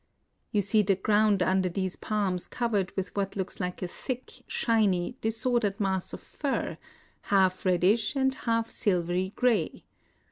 You see the ground under these palms covered with what looks like a thick, shiny, disordered mass of fur, — half reddish and half silvery grey.